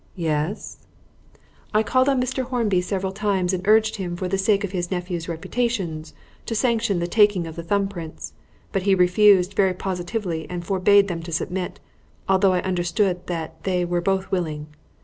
"Yes." "I called on Mr. Hornby several times and urged him, for the sake of his nephews' reputations, to sanction the taking of the thumb prints; but he refused very positively and forbade them to submit, although I understood that they were both willing.